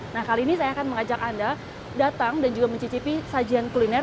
nah kali ini saya akan mengajak anda datang dan juga mencicipi sajian kuliner